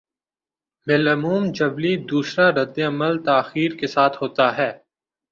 بالعموم جبلّی دوسرا رد عمل تاخیر کے ساتھ ہوتا ہے۔